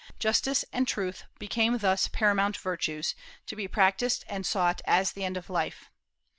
Justice and truth became thus paramount virtues, to be practised and sought as the end of life.